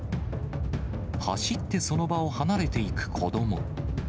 走ってその場を離れていく子ども。